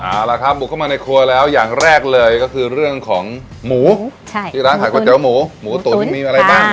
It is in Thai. เอาละครับบุกเข้ามาในครัวแล้วอย่างแรกเลยก็คือเรื่องของหมูที่ร้านขายก๋วหมูหมูตุ๋นมีอะไรบ้าง